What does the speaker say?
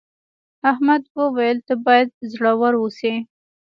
احمد وویل ته باید زړور اوسې.